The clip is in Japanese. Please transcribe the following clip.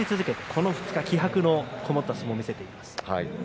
この２日間、気迫のこもった相撲を見せています。